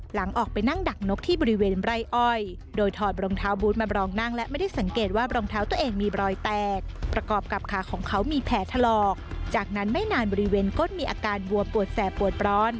หลังออกไปนั่งดักนกที่บริเวณไร่อร์ด